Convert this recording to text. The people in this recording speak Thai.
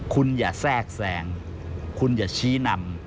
คุณอย่าแทรกแทรงคุณอย่าชี้นำ